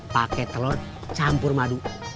pakai telur campur madu